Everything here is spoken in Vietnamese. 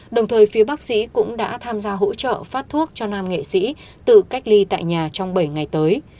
đồng thời phía bác sĩ cũng đã tham gia hỗ trợ phát thuốc cho nam nghệ sĩ tự cách ly tại nhà trong bảy ngày tới